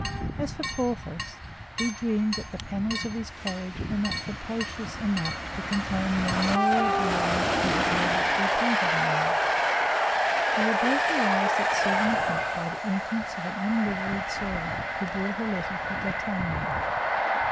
As for Porthos, he dreamed that the panels of his carriage were not capacious enough to contain the armorial bearings he had ordered to be painted on them. They were both aroused at seven o'clock by the entrance of an unliveried servant, who brought a letter for D'Artagnan.